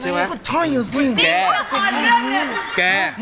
ชั่วยังเหงาด้วย